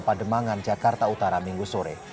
pademangan jakarta utara minggu sore